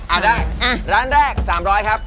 เอาได้ร้านแรก๓๐๐ครับ